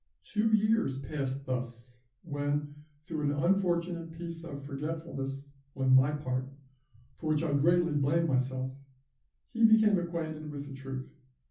Two years passed thus, when, through an unfortunate piece of forgetfulness on my part, for which I greatly blame myself, he became acquainted with the truth.